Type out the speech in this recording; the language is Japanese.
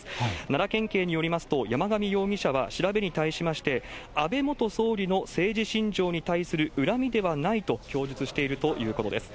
奈良県警によりますと、山上容疑者は調べに対しまして、安倍元総理の政治信条に対する恨みではないと供述しているということです。